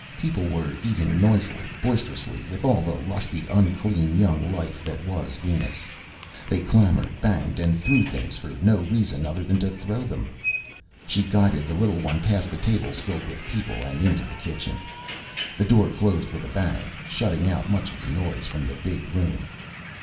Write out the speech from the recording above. People were eating noisily, boisterously, with all the lusty, unclean young life that was Venus. They clamored, banged and threw things for no reason other than to throw them. She guided the little one past the tables filled with people and into the kitchen. The door closed with a bang, shutting out much of the noise from the big room.